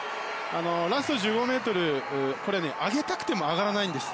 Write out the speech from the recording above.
ラスト１５ｍ上げたくても上がらないんです。